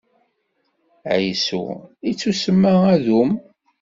Ɛisu, ittusemma Adum.